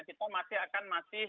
kita masih akan masih